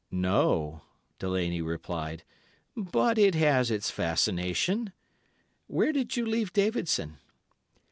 "'No,' Delaney replied, 'but it has its fascination. Where did you leave Davidson?